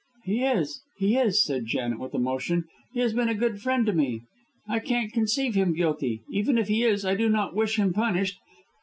"He is, he is," said Janet, with emotion. "He has been a good friend to me. I can't conceive him guilty. Even if he is, I do not wish him punished.